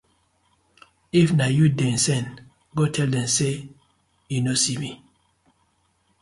If na yu dem sen, go tell dem say yu no see me.